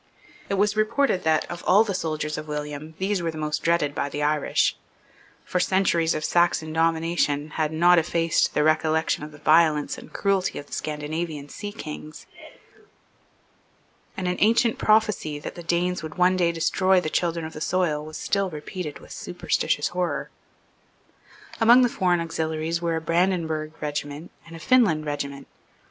It was reported that of all the soldiers of William these were most dreaded by the Irish. For centuries of Saxon domination had not effaced the recollection of the violence and cruelty of the Scandinavian sea kings; and an ancient prophecy that the Danes would one day destroy the children of the soil was still repeated with superstitious horror, Among the foreign auxiliaries were a Brandenburg regiment and a Finland regiment.